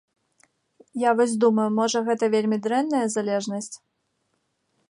Я вось думаю, можа, гэта вельмі дрэнная залежнасць?